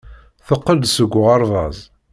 Teqqel-d seg uɣerbaz.